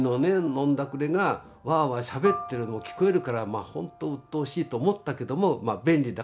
飲んだくれがワアワアしゃべってるの聞こえるからほんとうっとうしいと思ったけども便利だから住んでいた」と。